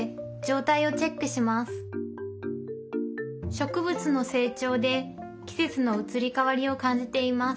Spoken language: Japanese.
植物の成長で季節の移り変わりを感じています